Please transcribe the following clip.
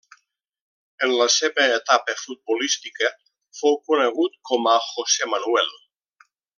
En la seva etapa futbolística fou conegut com a José Manuel.